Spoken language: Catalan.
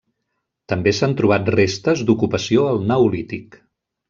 També s'han trobat restes d'ocupació al neolític.